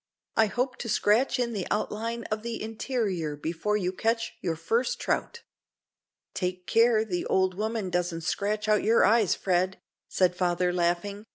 "I hope to scratch in the outline of the interior before you catch your first trout." "Take care the old woman doesn't scratch out your eyes, Fred," said the father, laughing.